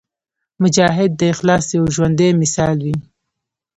مجاهد د اخلاص یو ژوندی مثال وي.